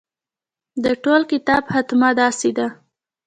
د ټول کتاب خاتمه داسې ده.